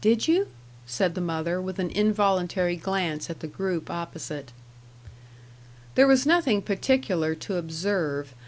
"Did you?" said the mother, with an involuntary glance at the group opposite. There was nothing particular to observe.